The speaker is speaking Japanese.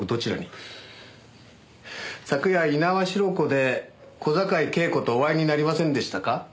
昨夜猪苗代湖で小坂井恵子とお会いになりませんでしたか？